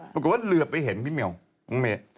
ปรากฏว่าเรือไปเห็นพี่เมียวพรุ่งเมธ